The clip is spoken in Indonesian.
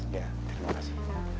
ya terima kasih